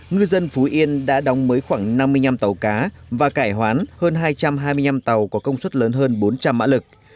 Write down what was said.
ngư dân phú yên đã đóng mới khoảng năm mươi năm tàu cá và cải hoán hơn hai trăm hai mươi năm tàu có công suất lớn hơn bốn trăm linh mã lực